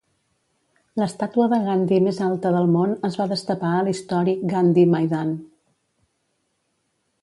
L'estàtua de Gandhi més alta del món es va destapar a l'històric Gandhi Maidan.